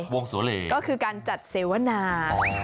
วงโสเลก็คือการจัดเสวนา